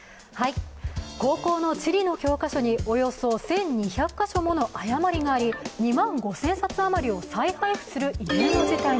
高校の地理の教科書におよそ１２００か所もの誤りがあり、２万５０００冊余りを再配布する異例の事態に。